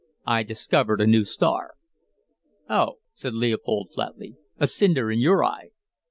"I discovered a new star." "Oh," said Leopold flatly. "A cinder in your eye."